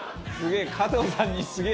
すげえ。